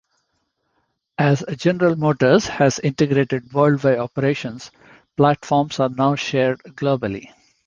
As General Motors has integrated worldwide operations, platforms are now shared globally.